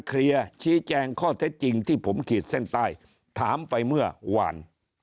เคลียร์ชี้แจงข้อเท็จจริงที่ผมขีดเส้นใต้ถามไปเมื่อวาน